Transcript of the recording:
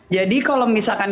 jadi kalau misalkan